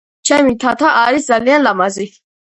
ჩემი თათა არის ძალიან ლამაზი!